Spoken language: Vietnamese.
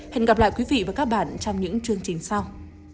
hẹn gặp lại quý vị và các bạn trong những chương trình sau